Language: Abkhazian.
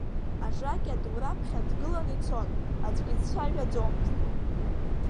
Ажакьа ду раԥхьа дгылан ицон, аӡәгьы дцәажәаӡомызт.